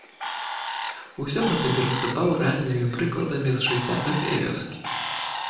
Усё гэта перасыпаў рэальнымі прыкладамі з жыцця гэтае вёскі.